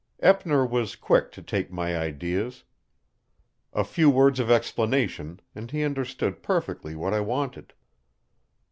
Eppner was quick to take my ideas. A few words of explanation, and he understood perfectly what I wanted.